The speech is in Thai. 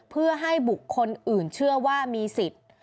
เพื่อให้บุคคลอื่นเชื่อว่ามีสิทธิ์